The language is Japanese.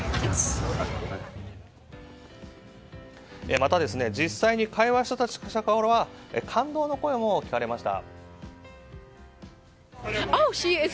また、実際に会話した人たちからは感動の声も聞かれました。